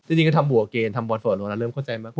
จริงก็ทำบัวเกณฑ์ทำบอสเฟอร์โอแล้วเริ่มเข้าใจมาก